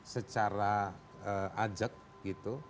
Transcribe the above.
secara ajak gitu